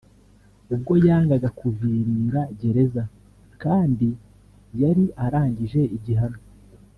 ubwo yangaga kuvirira gereza kandi yari arangije igihano